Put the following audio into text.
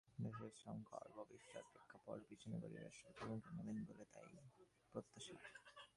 দেশের সংকট, ভবিষ্যত্ প্রেক্ষাপট বিবেচনা করেই রাষ্ট্রপতি ভূমিকা নেবেন বলে তাঁর প্রত্যাশা।